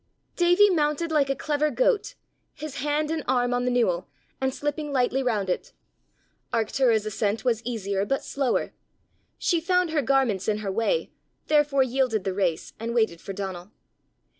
Davie mounted like a clever goat, his hand and arm on the newel, and slipping lightly round it. Arctura's ascent was easier but slower: she found her garments in her way, therefore yielded the race, and waited for Donal.